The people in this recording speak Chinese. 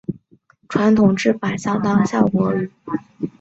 效果与传统制法相当。